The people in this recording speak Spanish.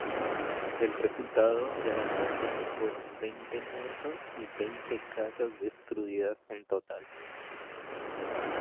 El resultado del ataque fueron veinte muertos y veinte casas destruidas en total.